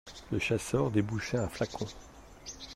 Le chasseur débouchait un flacon.